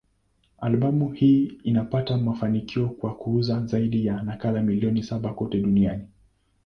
Albamu hii ilipata mafanikio kwa kuuza zaidi ya nakala milioni saba kote duniani.